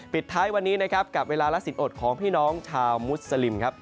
ปิดท้ายวันนี้นะครับกับเวลาละสินอดของพี่น้องชาวมุสลิมครับ